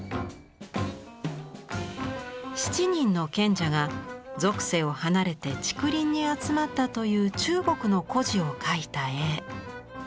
七人の賢者が俗世を離れて竹林に集まったという中国の故事を描いた絵。